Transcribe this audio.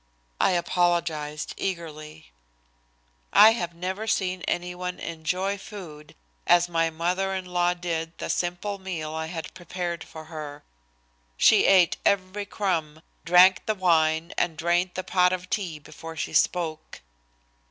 I apologized eagerly. I have never seen any one enjoy food as my mother in law did the simple meal I had prepared for her. She ate every crumb, drank the wine, and drained the pot of tea before she spoke.